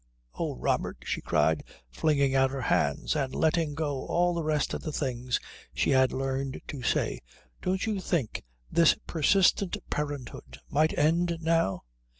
Oh, Robert," she cried, flinging out her hands and letting go all the rest of the things she had learned to say, "don't you think this persistent parenthood might end now?"